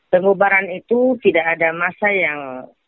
pengobaran itu tidak ada masa yang